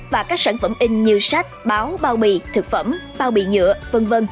và các sản phẩm in như sách báo bao bì thực phẩm bao bì nhựa v v